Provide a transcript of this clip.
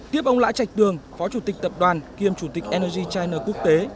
tiếp ông lã trạch tường phó chủ tịch tập đoàn kiêm chủ tịch energy china quốc tế